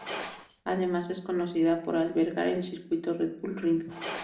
Además, es conocida por albergar el circuito Red Bull Ring.